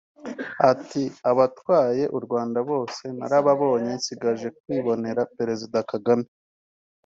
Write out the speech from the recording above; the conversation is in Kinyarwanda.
Ati “Abatwaye u Rwanda bose narababonye nsigaje kwibonera Perezida Kagame